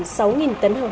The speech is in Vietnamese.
sáu tấn hàng hóa